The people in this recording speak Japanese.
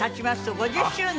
５０周年。